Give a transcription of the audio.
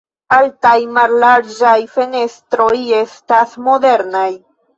Altaj mallarĝaj fenestroj estas modernaj.